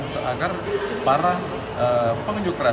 sama sekali nggak ada